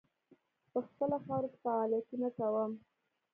په خپله خاوره کې فعالیتونه کوم.